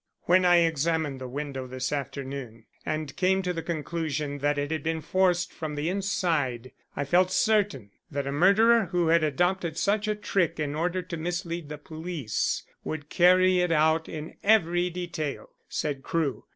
"When I examined the window this afternoon, and came to the conclusion that it had been forced from the inside, I felt certain that a murderer who had adopted such a trick in order to mislead the police would carry it out in every detail," said Crewe.